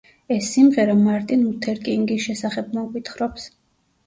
ეს სიმღერა მარტინ ლუთერ კინგის შესახებ მოგვითხრობს.